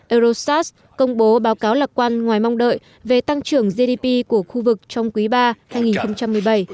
eurosas công bố báo cáo lạc quan ngoài mong đợi về tăng trưởng gdp của khu vực trong quý ba hai nghìn một mươi bảy